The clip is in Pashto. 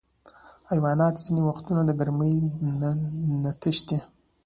حیوانات ځینې وختونه د ګرمۍ نه تښتي.